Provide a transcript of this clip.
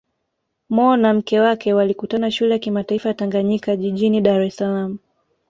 Mo na mke wake walikutana Shule ya Kimataifa ya Tanganyika jijini Dar es Salaam